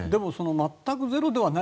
全くゼロではない。